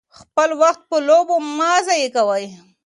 خپل وخت په لوبو مه ضایع کوئ.